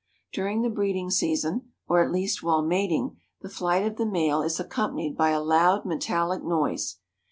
During the breeding season, or at least while mating, the flight of the male is accompanied by a loud metallic noise.